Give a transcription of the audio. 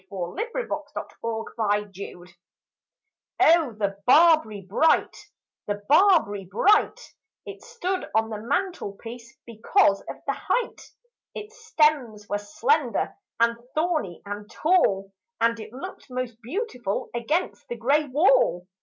Vigils SONG AGAINST CHILDREN O THE barberry bright, the barberry bright I It stood on the mantelpiece because of the height. Its stems were slender and thorny and tall And it looked most beautiful against the grey wall.